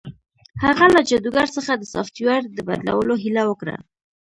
هغه له جادوګر څخه د سافټویر د بدلولو هیله وکړه